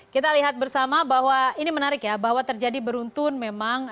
kita lihat bersama bahwa ini menarik ya bahwa terjadi beruntun memang